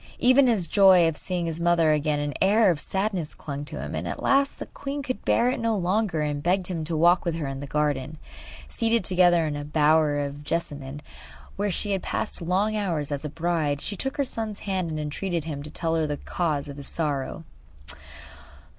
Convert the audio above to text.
Even in his joy at seeing his mother again an air of sadness clung to him, and at last the queen could bear it no longer, and begged him to walk with her in the garden. Seated together in a bower of jessamine where she had passed long hours as a bride she took her son's hand and entreated him to tell her the cause of his sorrow.